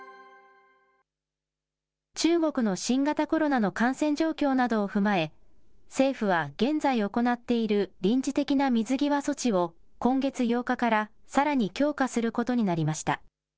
中国の新型コロナの感染状況などを踏まえ、政府は現在行っている臨時的な水際措置を、今月８日からさらに強化することになりました。